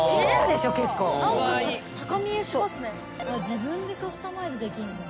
自分でカスタマイズできんだ。